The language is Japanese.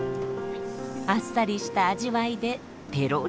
あっさりした味わいでペロリ。